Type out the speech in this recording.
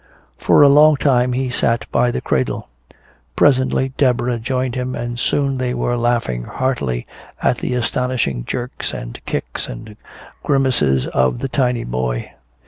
For a long time he sat by the cradle. Presently Deborah joined him, and soon they were laughing heartily at the astonishing jerks and kicks and grimaces of the tiny boy.